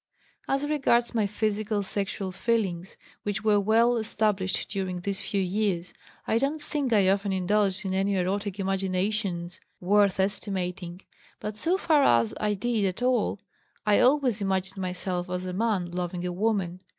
"As regards my physical sexual feelings, which were well established during these few years, I don't think I often indulged in any erotic imaginations worth estimating, but so far as I did at all, I always imagined myself as a man loving a woman.